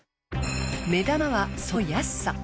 目玉はその安さ。